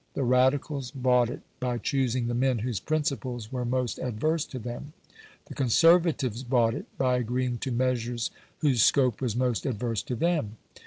The Radicals bought it by choosing the men whose principles were most adverse to them; the Conservatives bought it by agreeing to measures whose scope was most adverse to them.